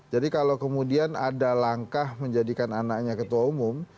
jadi kalau kemudian ada langkah menjadikan anaknya ketua umum